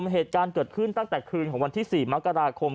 เหตุการณ์เกิดขึ้นตั้งแต่คืนของวันที่๔มกราคม